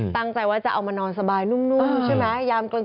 ตั้งใจว่าจะเอามานอนสบายนุ่มใช่ไหมยามกลาง